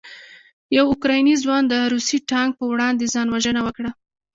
یو اوکراني ځوان د روسي ټانک په وړاندې ځان وژنه وکړه.